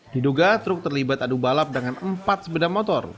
diduga truk terlibat adu balap dengan empat sepeda motor